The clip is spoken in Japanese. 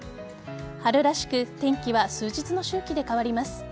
春らしく天気は数日の周期で変わります。